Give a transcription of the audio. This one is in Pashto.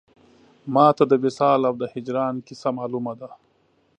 ما ته د وصال او د هجران کیسه مالومه ده